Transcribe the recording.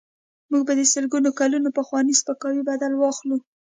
موږ به د سلګونو کلونو پخواني سپکاوي بدل واخلو.